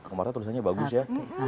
oma marta tulisannya bagus ya